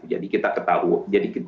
jadi kita ketahui